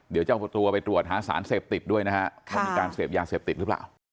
เดี๋ยวจะเอาตัวไปตรวจหาสารเสพติดด้วยนะฮะว่ามีการเสพยาเสพติดหรือเปล่า